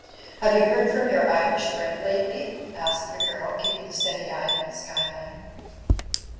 "Have you heard from your Irish friend lately?" asked the girl, keeping a steady eye on the sky line.